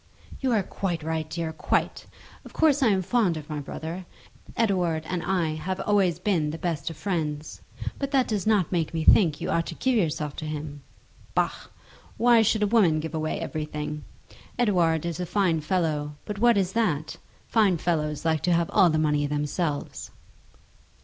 "You are quite right, dear, quite. Of course I am fond of my brother. Edouard and I have always been the best of friends. But that does not make me think you ought to give yourself to him. Bah! Why should a woman give away everything? Edouard is a fine fellow. But what is that? Fine fellows like to have all the money themselves."